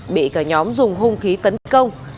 bị cả nhóm dùng hung khí tấn công